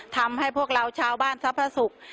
ทำให้พวกเราชาวบ้านทรัพย์พระศุกร์